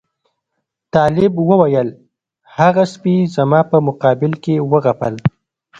طالب وویل هغه سپي زما په مقابل کې وغپل.